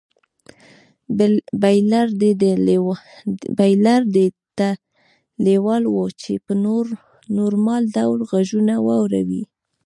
بلییر دې ته لېوال و چې په نورمال ډول غږونه واوري